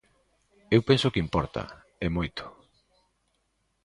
Eu penso que importa, e moito.